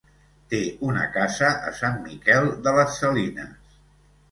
Té una casa a Sant Miquel de les Salines.